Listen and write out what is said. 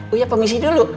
uya permisi dulu